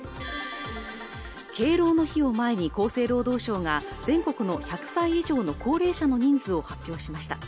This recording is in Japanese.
敬老の日を前に厚生労働省が全国の１００歳以上の高齢者の人数を発表しました